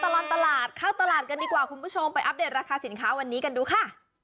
ตลอดตลาดเข้าตลาดกันดีกว่าคุณผู้ชมไปอัปเดตราคาสินค้าวันนี้กันดูค่ะ